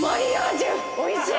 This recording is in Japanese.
おいしい！